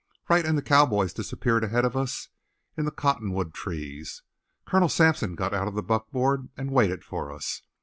Wright and the cowboys disappeared ahead of us in the cottonwood trees. Colonel Sampson got out of the buckboard and waited for us.